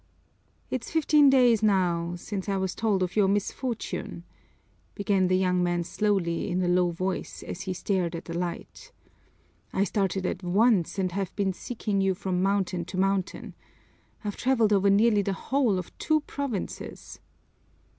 "It's fifteen days now since I was told of your misfortune," began the young man slowly in a low voice as he stared at the light. "I started at once and have been seeking you from mountain to mountain. I've traveled over nearly the whole of two provinces."